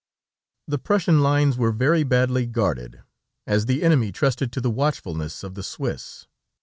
The Prussian lines were very badly guarded, as the enemy trusted to the watchfulness of the Swiss.